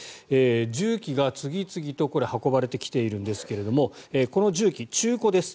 重機が次々と運ばれてきているんですがこの重機、中古です。